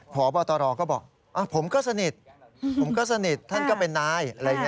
พบบก็บอกผมก็สนิทท่านก็เป็นนาย